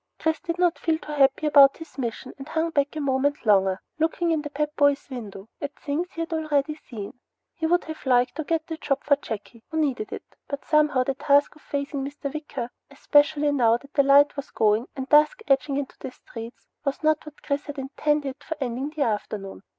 Chris did not feel too happy about his mission and hung back a moment longer, looking in the Pep Boys' window at things he had already seen. He would have liked to get the job for Jakey, who needed it, but somehow the task of facing Mr. Wicker, especially now that the light was going and dusk edging into the streets, was not what Chris had intended for ending the afternoon.